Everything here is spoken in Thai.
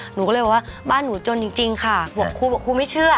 หนูก็เลยบอกว่าบ้านหนูจนจริงค่ะบอกครูบอกครูไม่เชื่อ